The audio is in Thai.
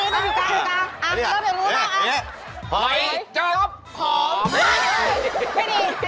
ไม่ได้ไปก่อน